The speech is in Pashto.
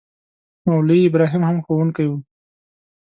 مولوي ابراهیم هم ښوونکی وو.